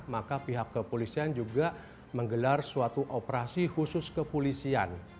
maka pihak kepolisian juga menggelar suatu operasi khusus kepolisian